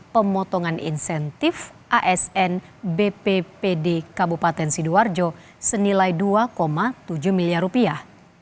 pemotongan insentif asn bppd kabupaten sidoarjo senilai dua tujuh miliar rupiah